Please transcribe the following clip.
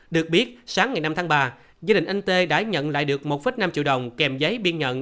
được biết sáng ngày năm tháng ba gia đình anh tê đã nhận lại được một năm triệu đồng kèm giấy biên nhận